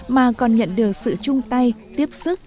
mà còn nhận được sự chung tay tiếp sức